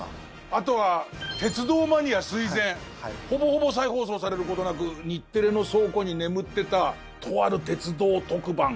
あとは鉄道マニア垂涎ほぼほぼ再放送されることなく日テレの倉庫に眠ってたとある鉄道特番